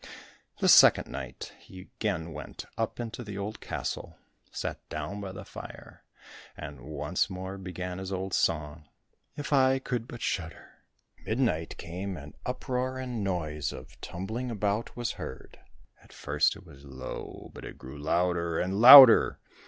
The second night he again went up into the old castle, sat down by the fire, and once more began his old song, "If I could but shudder." When midnight came, an uproar and noise of tumbling about was heard; at first it was low, but it grew louder and louder.